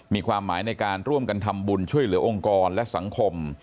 มีความหมายในการร่วมกันทำบุญช่วยเหลือองค์กรและสังคม